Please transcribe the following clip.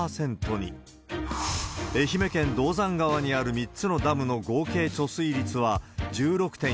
愛媛県銅山川にある３つのダムの合計貯水率は１６．４％。